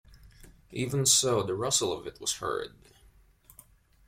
Even so, the rustle of it was heard.